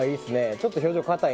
ちょっと表情硬い。